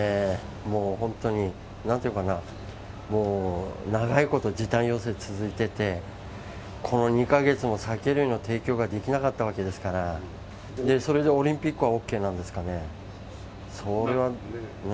もう本当に、なんていうかな、もう長いこと、時短要請続いてて、この２か月、酒類の提供ができなかったわけですから、それでオリンピックはＯＫなんですかね。